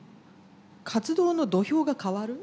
活動の土俵が変わる。